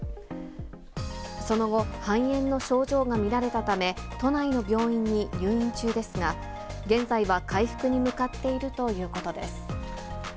その後、肺炎の症状が見られたため、都内の病院に入院中ですが、現在は回復に向かっているということです。